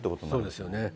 そうですよね。